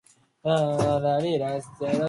中華人民共和国